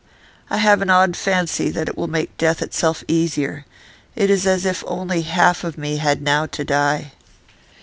I have an odd fancy that it will make death itself easier; it is as if only half of me had now to die.